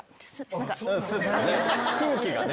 空気がね。